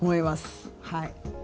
はい。